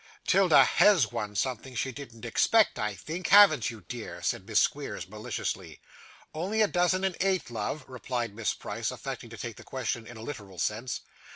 ''Tilda HAS won something she didn't expect, I think, haven't you, dear?' said Miss Squeers, maliciously. 'Only a dozen and eight, love,' replied Miss Price, affecting to take the question in a literal sense.